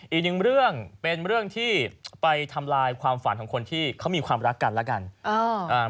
อีกหนึ่งเรื่องเป็นเรื่องที่ไปทำลายความฝันของคนที่เขามีความรักกันแล้วกัน